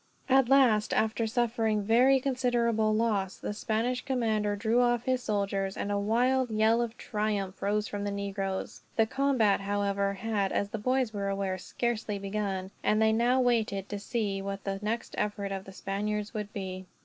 At last, after suffering very considerable loss, the Spanish commander drew off his soldiers; and a wild yell of triumph rose from the negroes. The combat however had, as the boys were aware, scarcely begun; and they now waited, to see what the next effort of the Spaniards would be.